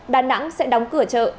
đà nẵng sẽ đóng cửa